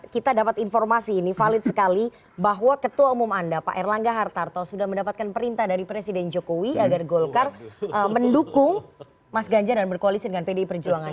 kita dapat informasi ini valid sekali bahwa ketua umum anda pak erlangga hartarto sudah mendapatkan perintah dari presiden jokowi agar golkar mendukung mas ganjar dan berkoalisi dengan pdi perjuangan